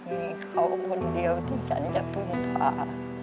มีเขาคนเดียวที่ฉันจะพึ่งพา